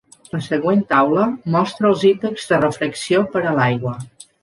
La següent taula mostra els índexs de refracció per a l'aigua.